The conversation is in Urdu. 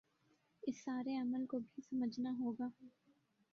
اس سارے عمل کو بھی سمجھنا ہو گا